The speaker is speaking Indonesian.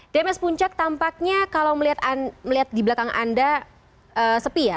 demes puncak tampaknya kalau melihat di belakang anda sepi ya